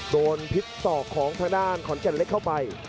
โดนพิษศอกของทางด้านขอนแก่นเล็กเข้าไป